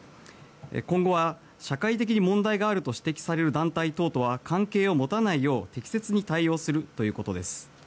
今後は社会的に問題があると指摘される団体とは関係を持たないよう適切に対応するということです。